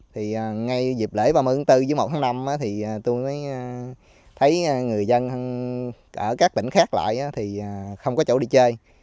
thì ngay dịp lễ ba mươi tháng bốn dưới một tháng năm thì tôi mới thấy người dân ở các tỉnh khác lại thì không có chỗ đi chơi